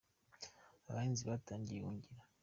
Abahinzi batangiye Ihungira